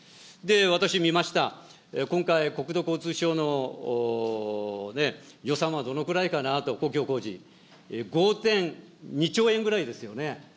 私見ました、今回、国土交通省の予算はどのくらいかなと、公共工事、５．２兆円ぐらいですよね。